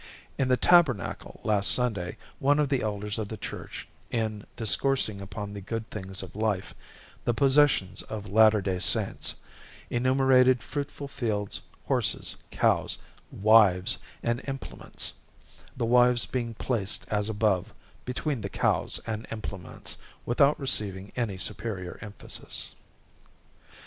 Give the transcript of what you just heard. In the Tabernacle last Sunday, one of the elders of the church, in discoursing upon the good things of life, the possessions of Latter Day Saints, enumerated fruitful fields, horses, cows, wives, and implements, the wives being placed as above, between the cows and implements, without receiving any superior emphasis.